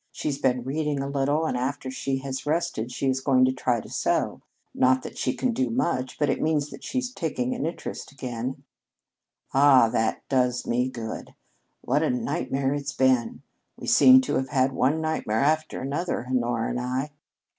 She's been reading a little, and after she has rested she is going to try to sew. Not that she can do much, but it means that she's taking an interest again." "Ah, that does me good! What a nightmare it's been! We seem to have had one nightmare after another, Honora and I."